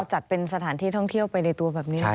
จัดเป็นสถานที่ท่องเที่ยวไปในตัวแบบนี้